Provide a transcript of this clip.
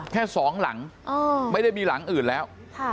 แค่สองหลังไม่ได้มีหลังอื่นแล้ว